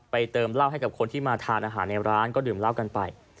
เติมเหล้าให้กับคนที่มาทานอาหารในร้านก็ดื่มเหล้ากันไป